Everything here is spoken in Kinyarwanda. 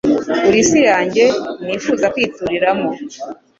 Uri isi yanjye nifuzakwituriramo